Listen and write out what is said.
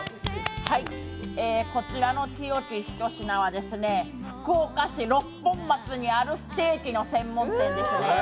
こちらの清喜ひとしなは福岡市六本松にあるステーキ専門店です。